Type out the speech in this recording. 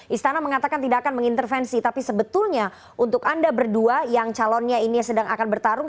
istana mengatakan tidak akan mengintervensi tapi sebetulnya untuk anda berdua yang calonnya ini sedang akan bertarung